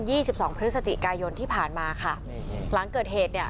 สิบสองพฤศจิกายนที่ผ่านมาค่ะหลังเกิดเหตุเนี่ย